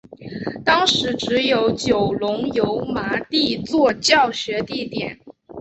当时只有九龙油麻地作教学地点。